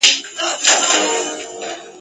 تور وېښته می سپین په انتظار کړله !.